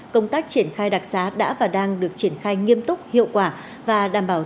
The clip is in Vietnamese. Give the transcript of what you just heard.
công tác triển khai đặc xá đã và đang được triển khai nghiêm túc hiệu quả và đảm bảo